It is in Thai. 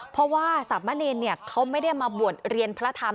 เพราะว่าสามะเนรเขาไม่ได้มาบวชเรียนพระธรรม